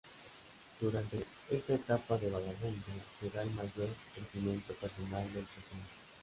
Durante esta etapa de vagabundo se da el mayor crecimiento personal del personaje.